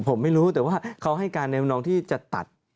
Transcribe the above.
ผมไม่รู้แต่ว่าเขาให้การในนองที่จะตัด